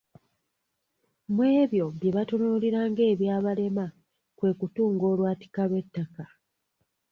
Mu ebyo bye batunuulira ng'ebyabalema kwe kutunga olwatika lw'ettaka.